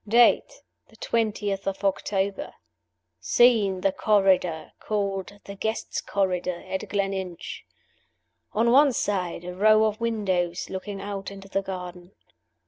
Date, the twentieth of October. Scene the Corridor, called the Guests' Corridor, at Gleninch. On one side, a row of windows looking out into the garden.